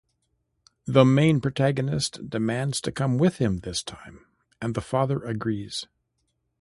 The main protagonist demands to come with him this time, and the father agrees.